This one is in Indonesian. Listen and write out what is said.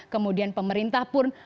kemudian pemerintah pun